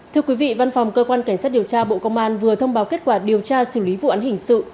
thưa quý vị văn phòng cơ quan cảnh sát điều tra bộ công an vừa thông báo kết quả điều tra xử lý vụ án hình sự